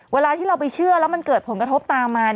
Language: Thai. เวลาที่เราไปเชื่อแล้วมันเกิดผลกระทบตามมา